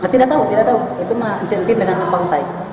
tidak tahu tidak tahu itu mencintin dengan pangkai